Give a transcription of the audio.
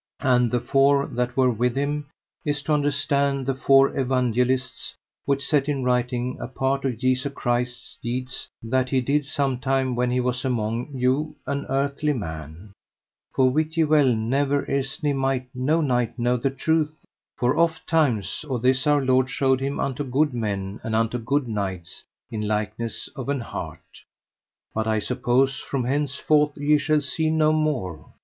And the four that were with Him is to understand the four evangelists which set in writing a part of Jesu Christ's deeds that He did sometime when He was among you an earthly man; for wit ye well never erst ne might no knight know the truth, for ofttimes or this Our Lord showed Him unto good men and unto good knights, in likeness of an hart, but I suppose from henceforth ye shall see no more.